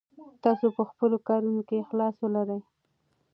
تاسو په خپلو کارونو کې اخلاص ولرئ.